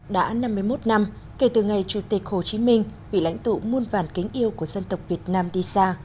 đã năm mươi một năm kể từ ngày chủ tịch hồ chí minh vị lãnh tụ muôn vàn kính yêu của dân tộc việt nam đi xa